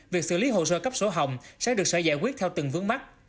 việc xử lý hồ sơ cấp sổ hồng sẽ được sở giải quyết theo từng vướng mắt